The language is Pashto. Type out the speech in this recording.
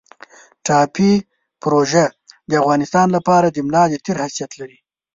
ټاپي پروژه د افغانستان لپاره د ملا د تیر حیثیت لري